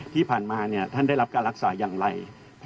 ที่ผ่านมาท่านได้รับการรักษาอย่างไร